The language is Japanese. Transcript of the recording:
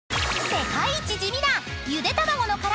［世界一地味な］